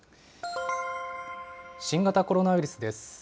新型コロナウイルスです。